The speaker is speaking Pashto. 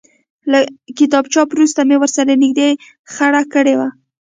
له کتاب چاپ وروسته مې ورسره نږدې خړه کړې وه.